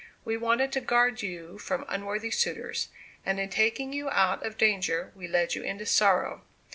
We wanted to guard you from unworthy suitors; and in taking you out of danger, we led you into sorrow."